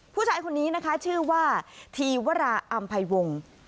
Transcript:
ผู้ชายคนนี้นะคะชื่อว่าธีวราอำไพวง